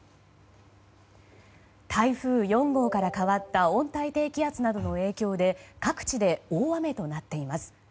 台風４号から変わった温帯低気圧などの影響で各地で大雨となっています。